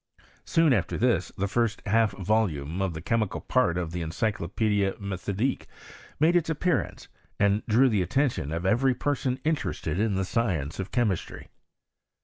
Soon after this the first half volume of the chemical part of the Encyclopedic M^thodique made its appearance, and drew the attention of everf ])cr8oii interested in the science of chemistry.